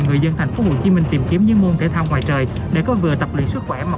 người dân tp hcm tìm kiếm những môn thể thao ngoài trời để có vừa tập luyện sức khỏe mà